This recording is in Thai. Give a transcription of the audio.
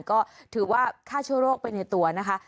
ก็ถือว่าค่าชั่วโรคเป็นในตัวนะคะ